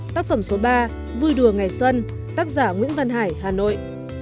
tác phẩm số ba vui đùa ngày xuân tác giả nguyễn văn hải hà nội